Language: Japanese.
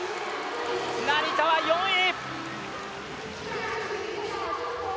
成田は４位。